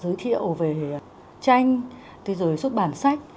giới thiệu về tranh thế rồi xuất bản sách